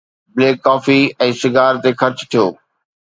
Black coffee ۽ cigar تي خرچ ٿيو.